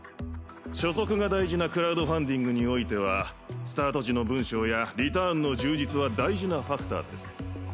初速が大事なクラウドファンディングにおいてはスタート時の文章やリターンの充実は大事なファクターです。